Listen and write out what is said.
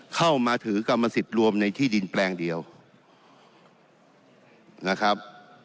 เข้ามาถือกรรมสิทธิ์รวมในที่ดินแปลงเดียวนะครับ